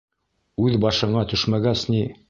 Үҙ башыңа төшмәгәс ни.